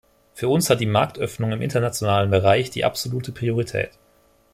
Für uns hat die Marktöffnung im internationalen Bereich die absolute Priorität.